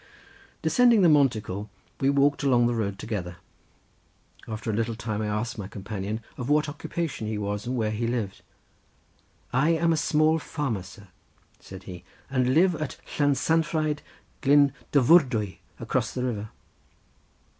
Descending the monticle, we walked along the road together. After a little time I asked my companion of what occupation he was and where he lived. "I am a small farmer, sir," said he, "and live at Llansanfraid Glyn Dyfrdwy across the river."